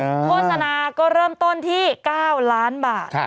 โฆษณาก็เริ่มต้นที่๙ล้านบาท